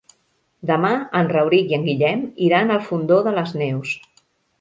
Demà en Rauric i en Guillem iran al Fondó de les Neus.